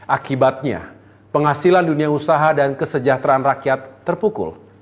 akibatnya penghasilan dunia usaha dan kesejahteraan rakyat terpukul